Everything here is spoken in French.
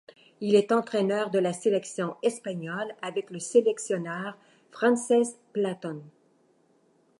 Il est entraîneur de la sélection espagnole, avec le sélectionneur Francesc Platon.